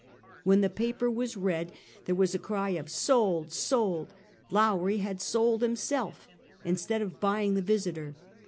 When the paper was read, there was a cry of " Sold ! Sold! Lowrie had sold himself instead of buying the Visiter."